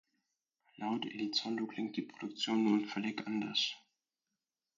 Laut Elizondo klingt die Produktion nun „völlig anders“.